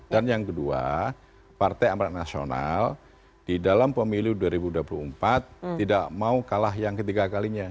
dan yang kedua partai amat nasional di dalam pemiliu dua ribu dua puluh empat tidak mau kalah yang ketiga kalinya